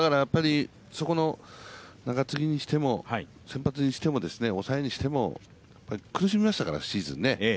そこの中継ぎにしても先発にしても押さえにしても、苦しみましたから、シーズン。